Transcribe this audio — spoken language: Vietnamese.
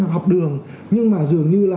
học đường nhưng mà dường như là